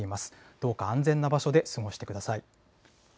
どうか安全な場所で過ごしてください。